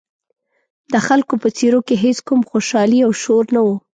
د خلکو په څېرو کې هېڅ کوم خوشحالي او شور نه و.